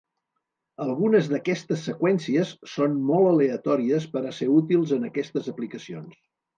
Algunes d'aquestes seqüències són molt aleatòries per a ser útils en aquestes aplicacions.